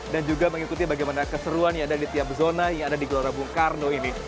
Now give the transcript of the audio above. dan juga mengikuti bagaimana keseruan yang ada di tiap zona yang ada di gelora bung karno ini